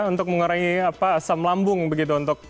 untuk mengurangi asam lambung begitu untuk